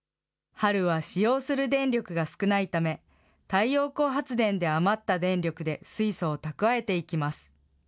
春は使用する電力が少ないため、太陽光発電で余った電力で水素を蓄えていきます。